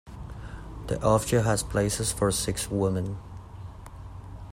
The hofje has places for six women.